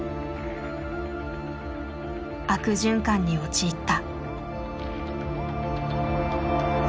悪循環に陥った。